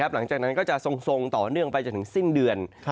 หลังจากนั้นก็จะทรงต่อเนื่องไปจนถึงสิ้นเดือน